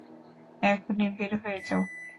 এখনি বের হয়ে যাও!